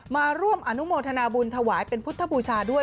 มาร่วมอนุโมทนาบุญถวายเป็นพุทธบูชาด้วย